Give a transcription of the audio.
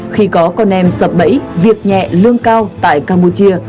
khi có con em sập bẫy việc nhẹ lương cao tại campuchia